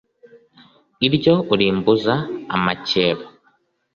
iryo urimbuza amakeba,